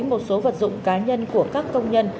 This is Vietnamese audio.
một số vật dụng cá nhân của các công nhân